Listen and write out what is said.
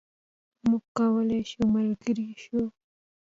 موږ کولای شو ملګري شو.